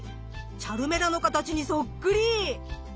チャルメラの形にそっくり！